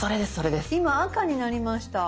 今赤になりました。